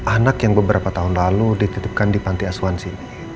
anak yang beberapa tahun lalu dititipkan di panti asuhan